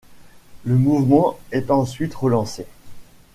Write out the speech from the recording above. Le mouvement est ensuite relancé.